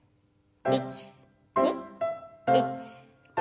１２１２。